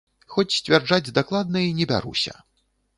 Хоць сцвярджаць дакладна і не бяруся.